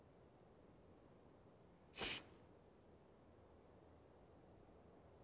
しっ！